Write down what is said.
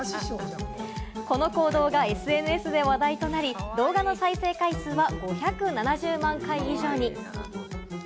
この行動がＳＮＳで話題となり、動画の再生回数は５７０万回以上に。